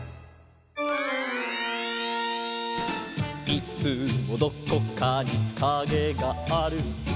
「いつもどこかにカゲがある」